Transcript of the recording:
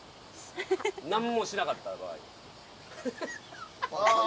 何もしなかった場合。